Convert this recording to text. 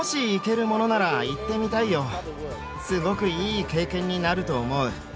すごくいい経験になると思う。